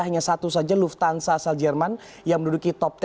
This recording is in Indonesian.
hanya satu saja lufthansa asal jerman yang menduduki top sepuluh